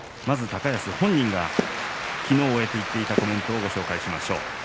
まず高安本人がきのう終えて言っていたコメントをご紹介しましょう。